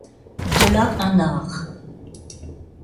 De là un art.